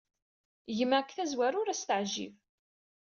Gma, seg tazwara ur as-teɛjib.